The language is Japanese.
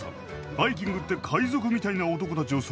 バイキングって海賊みたいな男たちを想像してない？